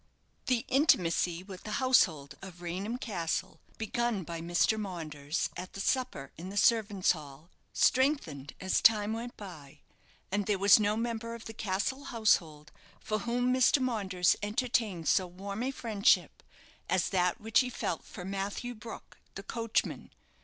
The intimacy with the household of Raynham Castle, begun by Mr. Maunders at the supper in the servants' hall, strengthened as time went by, and there was no member of the castle household for whom Mr. Maunders entertained so warm a friendship as that which he felt for Matthew Brook, the coachman.